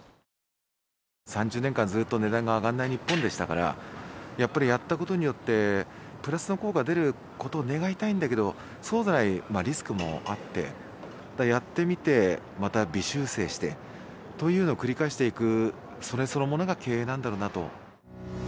３０年間ずっと値段が上がらない日本でしたから、やっぱりやったことによって、プラスの効果出ること願いたいんだけど、そうでないリスクもやっぱりあって、やってみて、また微修正してというのを繰り返していく、それそのものが経営なんだろうなと。